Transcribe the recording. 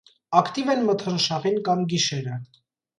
Ակտիվ են մթնշաղին կամ գիշերը։